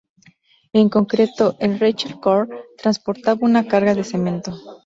En concreto, el "Rachel Corrie" transportaba una carga de cemento.